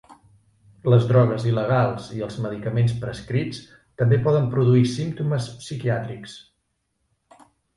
Les drogues il·legals i els medicaments prescrits també poden produir símptomes psiquiàtrics.